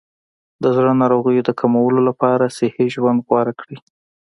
د زړه ناروغیو د کمولو لپاره صحي ژوند غوره کړئ.